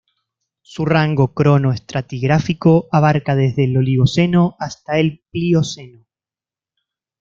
Su rango cronoestratigráfico abarca desde el Oligoceno hasta el Plioceno.